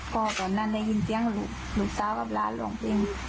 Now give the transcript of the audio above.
ก็ตอนนั้นได้ยินเสียงหลุบหลุบสาวกับร้านลองเพลง